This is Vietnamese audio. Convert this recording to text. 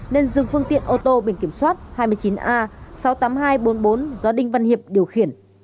nên dừng phương tiện ô tô biển kiểm soát hai mươi chín a sáu mươi tám nghìn hai trăm bốn mươi bốn do đinh văn hiệp điều khiển